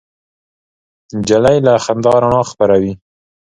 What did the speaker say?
نجلۍ له خندا رڼا خپروي.